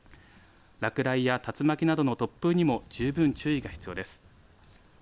落雷や竜巻などの突風にも十分注意が必要です。